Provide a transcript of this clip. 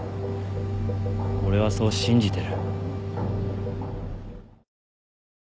俺はそう信じてる。